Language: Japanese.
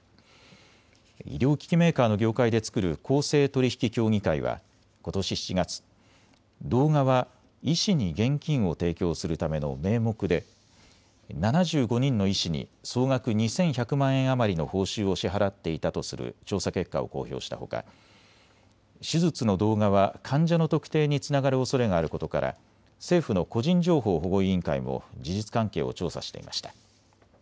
医療機器メーカーの業界で作る公正取引協議会はことし７月、動画は医師に現金を提供するための名目で７５人の医師に総額２１００万円余りの報酬を支払っていたとする調査結果を公表したほか、手術の動画は患者の特定につながるおそれがあることから政府の個人情報保護委員会も事実関係を調査していました。